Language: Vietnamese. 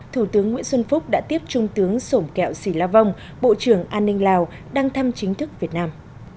thủ tướng nguyễn xuân phúc đã tiếp trung tướng sổng kẹo sì la vong bộ trưởng an ninh lào đang thăm chính thức việt nam